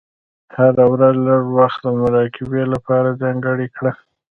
هره ورځ لږ وخت د مراقبې لپاره ځانګړی کړه.